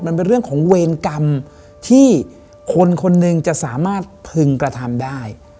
มันเป็นเรื่องของเวรกรรมที่คนคนหนึ่งจะสามารถพึงกระทำได้